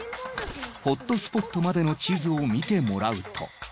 ホットスポットまでの地図を見てもらうと。